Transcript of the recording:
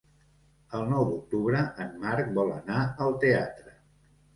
El nou d'octubre en Marc vol anar al teatre.